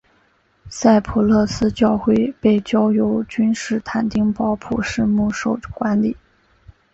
赛普勒斯教会被交由君士坦丁堡普世牧首管理。